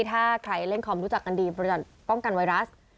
ถ้าใครเล่นคอมรู้จักกันดีบริษัทป้องกันไวรัส